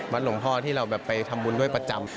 วัดหลงพ่อที่เราไปทำบุญด้วยประจำ